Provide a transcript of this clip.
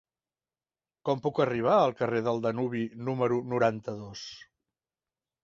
Com puc arribar al carrer del Danubi número noranta-dos?